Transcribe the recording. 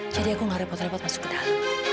jadi aku enggak repot repot masuk ke dalam